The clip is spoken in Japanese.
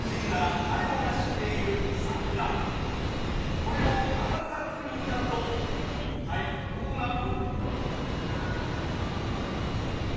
これを長唄風にうたうと一体どうなる？